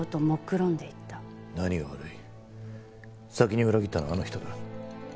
先に裏切ったのはあの人だ。